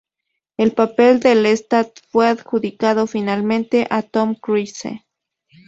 El papel de Lestat fue adjudicado finalmente a Tom Cruise.